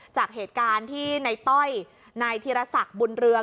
จากเหตุการณ์ที่ในต้อยนายธีรศักดิ์บุญเรือง